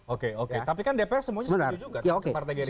oke oke tapi kan dpr semuanya setuju juga ke partai geri dulu